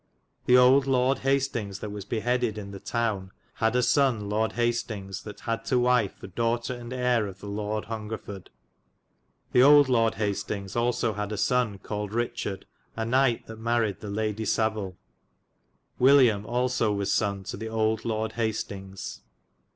The old Lorde Hastings that was behedyd in the Towre had a sonne Lorde Hastings, that had to wife the dowghtar and heire of the Lorde Hungreforde. The old Lord Hastings had also a sunne caulyd Richard, a knight that maried the Lady Savelle. WilHam also was sonn to the olde Lorde Hastyngs.